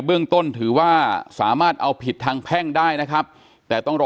เรื่องต้นถือว่าสามารถเอาผิดทางแพ่งได้นะครับแต่ต้องรอ